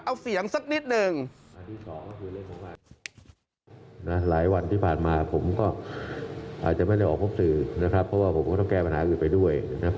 เอาเสียงสักนิดหนึ่ง